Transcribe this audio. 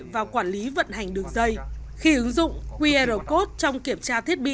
và quản lý vận hành đường dây khi ứng dụng qr code trong kiểm tra thiết bị